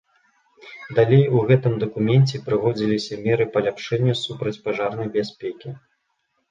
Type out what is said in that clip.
Далей у гэтым дакуменце прыводзіліся меры паляпшэння супрацьпажарнай бяспекі.